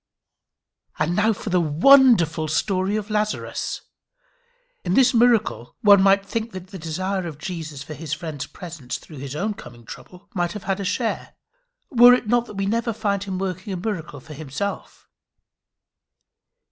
And now for the wonderful story of Lazarus. In this miracle one might think the desire of Jesus for his friend's presence through his own coming trouble, might have had a share, were it not that we never find him working a miracle for himself.